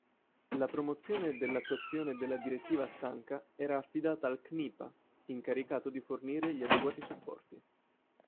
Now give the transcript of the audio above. La promozione dell'attuazione della Direttiva Stanca era affidata al CNIPA, incaricato di fornire gli adeguati supporti.